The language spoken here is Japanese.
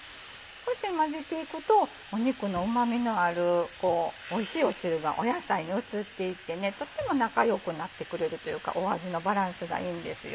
こうして混ぜていくと肉のうま味のあるおいしい汁が野菜に移っていってとっても仲良くなってくれるというか味のバランスがいいんですよ。